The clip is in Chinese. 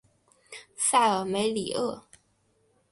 塞尔梅里厄。